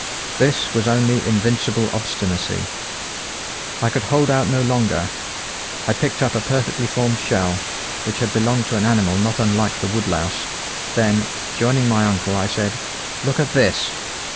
This was only invincible obstinacy. I could hold out no longer. I picked up a perfectly formed shell, which had belonged to an animal not unlike the woodlouse: then, joining my uncle, I said: "Look at this!"